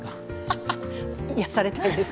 ハハ、癒やされたいです